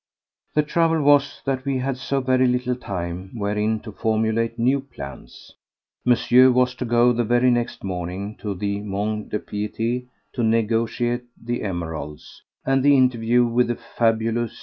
The trouble was that we had so very little time wherein to formulate new plans. Monsieur was to go the very next morning to the Mont de Piété to negotiate the emeralds, and the interview with the fabulous M.